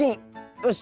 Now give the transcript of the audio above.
よし！